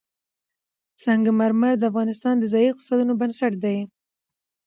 سنگ مرمر د افغانستان د ځایي اقتصادونو بنسټ دی.